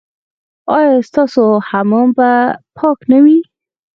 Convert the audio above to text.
ایا ستاسو حمام به پاک نه وي؟